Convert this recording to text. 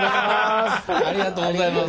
ありがとうございます。